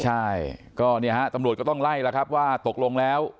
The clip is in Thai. ใช่ก็เนี่ยฮะตำรวจก็ต้องไล่แล้วครับว่าตกลงแล้ว